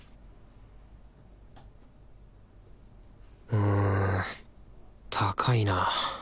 うん高いな。